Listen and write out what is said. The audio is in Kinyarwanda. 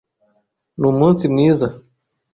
Ni umunsi mwiza.